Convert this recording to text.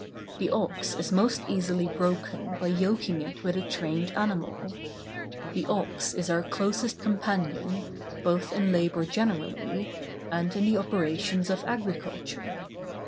The ox is most easily broken by yoking it with a trained animal. The ox is our closest companion, both in labor generally, and in the operations of agriculture.